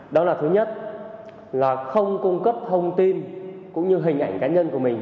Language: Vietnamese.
đó là thứ nhất là không cung cấp thông tin cũng như hình ảnh cá nhân của mình